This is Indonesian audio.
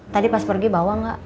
tadi pas pergi bawa nggak